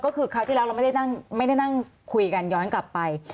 ก็คือคราวที่แล้วเราไม่ได้นั่งคุยกันย้อนกลับไป